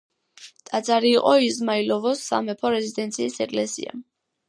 ტაძარი იყო იზმაილოვოს სამეფო რეზიდენციის ეკლესია.